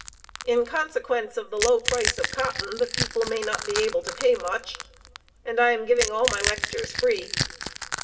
In consequence of the low price of cotton, the people may not be able to pay much, and I am giving all my lectures free.